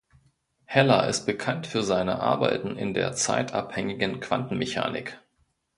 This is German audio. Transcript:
Heller ist bekannt für seine Arbeiten in der zeitabhängigen Quantenmechanik.